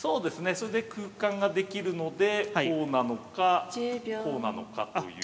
それで空間ができるのでこうなのかこうなのかという。